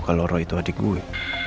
kalau roh itu adik gue